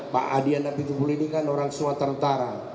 pak adian apitupuli ini kan orang sumatera utara